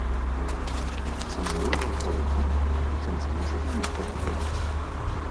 A Sant Andreu del Palomar, sense música no es pot ballar.